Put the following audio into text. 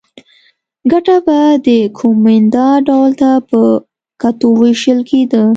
ګټه به د کومېندا ډول ته په کتو وېشل کېده.